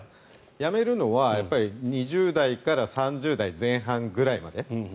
辞めるのは２０代から３０代前半ぐらいまで。